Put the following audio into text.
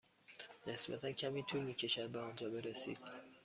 نسبتا کمی طول می کشد به آنجا برسید.